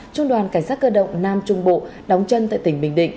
trung đoàn cảnh sát cơ động nam trung bộ đóng chân tại tỉnh bình định